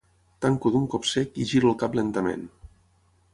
Tanco d'un cop sec i giro el cap lentament.